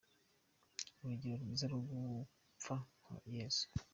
Urugero rwiza rwo gupfa nka Yezu